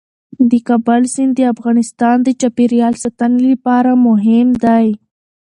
د کابل سیند د افغانستان د چاپیریال ساتنې لپاره مهم دی.